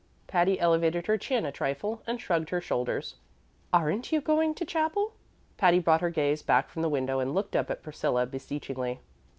Patty elevated her chin a trifle and shrugged her shoulders. "Aren't you going to chapel?" Patty brought her gaze back from the window and looked up at Priscilla beseechingly.